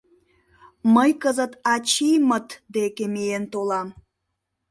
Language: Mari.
— Мый кызыт ачиймыт деке миен толам...